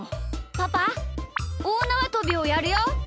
パパおおなわとびをやるよ！